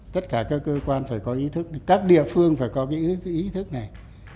tất cả các cơ quan phải có ý thức các địa phương phải có cái ý thức này